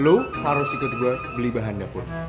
lo harus ikut beli bahan dapur